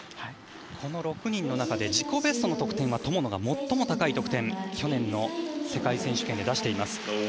この６人の中で自己ベストは友野が最も高い得点を去年の世界選手権で出しています。